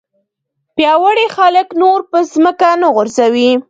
پیاوړي خلک نور په ځمکه نه غورځوي.